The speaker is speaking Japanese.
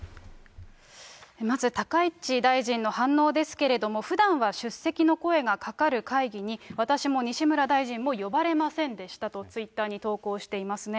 まず高市大臣の反応ですけれども、ふだんは出席の声がかかる会議に、私も西村大臣も呼ばれませんでしたと、ツイッターに投稿していますね。